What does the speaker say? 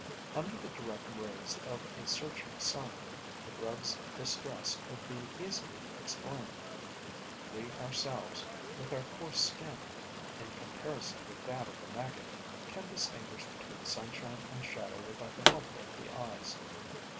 Under the direct rays of a searching sun, the grub's distress could be easily explained. We ourselves; with our coarse skin, in comparison with that of the maggot, can distinguish between sunshine and shadow without the help of the eyes.